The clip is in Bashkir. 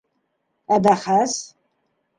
Ә бәхәс?